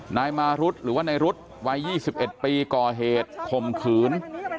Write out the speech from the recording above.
นายมารุธหรือว่าในรุ๊ดวัย๒๑ปีก่อเหตุข่มขืน